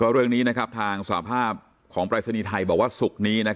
เรื่องนี้นะครับทางสภาพพรายศนีย์ไทยบอกว่าสุขนี้